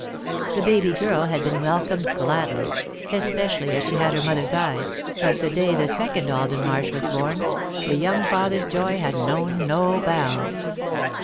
The baby girl had been welcomed gladly, especially as she had her mother's eyes, but the day the second Alden Marsh was born, the young father's joy had known no bounds.